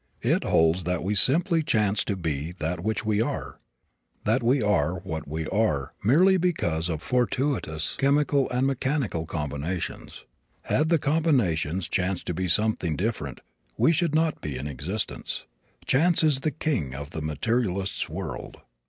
It holds that we simply chance to be that which we are; that we are what we are merely because of fortuitous chemical and mechanical combinations. Had the combinations chanced to be something different we should not be in existence. Chance is the king of the materialist's world.